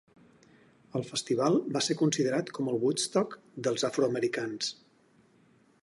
El festival va ser considerat com el Woodstock dels afroamericans.